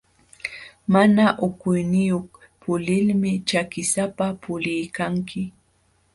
Mana hukuyniyuq pulilmi ćhakisapa puliykanki.